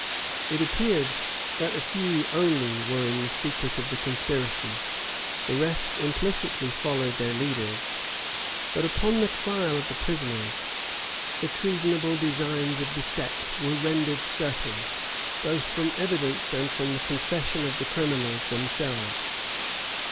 It appeared, that a few only were in the secret of the conspiracy; the rest implicitly followed their leaders: but upon the trial of the prisoners, the treasonable designs of the sect were rendered certain, both from evidence and from the confession of the criminals themselves.